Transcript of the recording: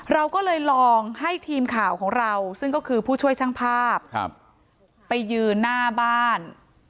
เราก็เลยลองให้ทีมข่าวของเราซึ่งก็คือผู้ช่วยช่างภาพไปยืนหน้าบ้าน